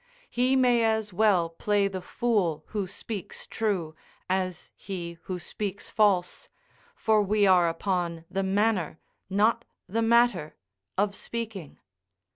He may as well play the fool who speaks true, as he who speaks false, for we are upon the manner, not the matter, of speaking.